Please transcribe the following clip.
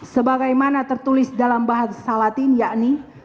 sebagaimana tertulis dalam bahasa salatin yakni